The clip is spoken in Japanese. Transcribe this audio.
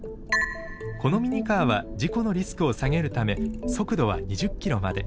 このミニカーは事故のリスクを下げるため速度は２０ｋｍまで。